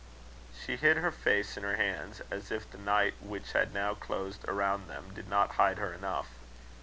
She hid her face in her hands, as if the night which had now closed around them did not hide her enough.